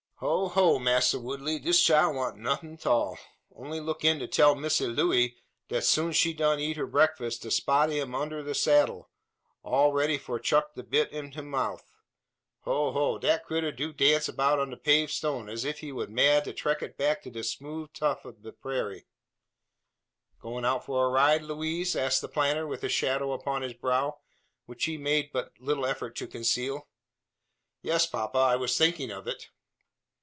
"Ho, ho! Massr Woodley, dis chile want nuffin 't all. Only look in t' tell Missa Looey dat soon's she done eat her brekfass de spotty am unner de saddle, all ready for chuck de bit into him mouf. Ho! ho! dat critter do dance 'bout on de pave stone as ef it wa' mad to 'treak it back to de smoove tuff ob de praira." "Going out for a ride, Louise?" asked the planter with a shadow upon his brow, which he made but little effort to conceal. "Yes, papa; I was thinking of it."